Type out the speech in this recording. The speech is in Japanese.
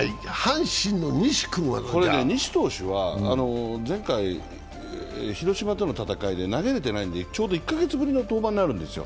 西投手は前回、広島との戦いで投げれてないのでちょうど１か月ぶりの登板になるんですよ。